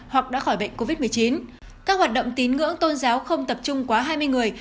hoặc đã khỏi bệnh covid một mươi chín các hoạt động tín ngưỡng tôn giáo không tập trung quá hai mươi người